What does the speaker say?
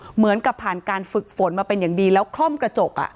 เหมือนกับผ่านการฝึกฝนมาเป็นอย่างดีแล้วคล่อมกระจก